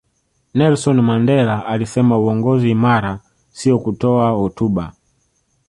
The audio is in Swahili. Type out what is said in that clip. nelson mandela alisema uongozi imara siyo kutoa hotuba